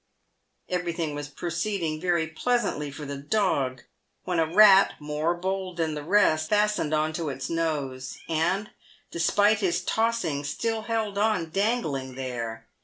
Everything was proceeding very pleasantly for the dog, when a rat, more bold than the rest, fastened on to its nose, and, despite his tossing, still held on dangling there.